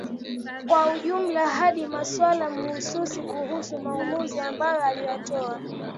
kwa ujumla hadi maswali mahususi kuhusu maamuzi ambayo aliyatoa